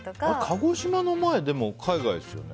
鹿児島の前って海外ですよね？